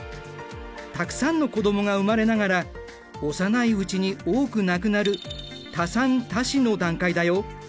たくさんの子どもが生まれながら幼いうちに多く亡くなる多産多死の段階だよ。